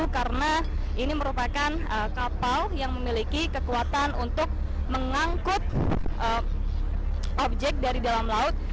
karena ini merupakan kapal yang memiliki kekuatan untuk mengangkut objek dari dalam laut